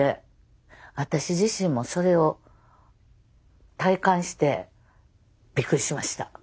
私自身もそれを体感してびっくりしました。